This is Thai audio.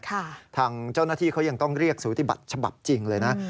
ทางเจ้าหน้าที่เขายังต้องเรียกสูติบัติฉบับจริงเลยนะ